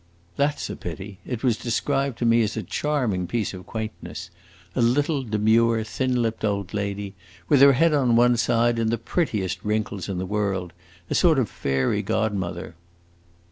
"That 's a pity. It was described to me as a charming piece of quaintness: a little demure, thin lipped old lady, with her head on one side, and the prettiest wrinkles in the world a sort of fairy godmother."